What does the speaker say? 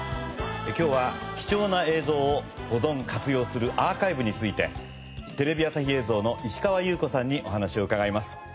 今日は貴重な映像を保存活用するアーカイブについてテレビ朝日映像の石川裕子さんにお話を伺います。